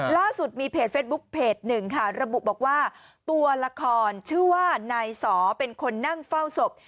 ล่าสุดมีเพจเฟสบุ๊คเพจหนึ่งค่ะระบุบอกว่าตัวละครชื่อว่านายสอเป็นคนนั่งเฝ้าศพ